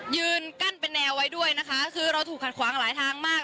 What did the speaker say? ยืนกั้นเป็นแนวไว้ด้วยนะคะคือเราถูกขัดขวางหลายทางมาก